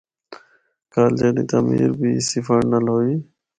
کالجاں دی تعمیر بھی اسی فنڈ نال ہوئی۔